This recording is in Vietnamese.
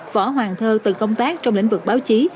võ hoàng thơ từng công tác trong lĩnh vực báo chí